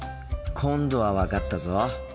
今度は分かったぞ。